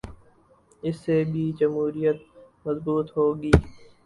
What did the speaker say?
اس سے بھی جمہوریت مضبوط ہو گی۔